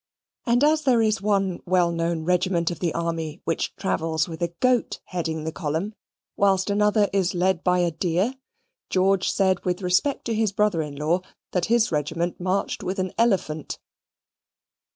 And as there is one well known regiment of the army which travels with a goat heading the column, whilst another is led by a deer, George said with respect to his brother in law, that his regiment marched with an elephant.